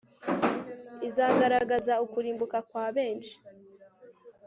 izagaragaza ukurimbuka kwa benshi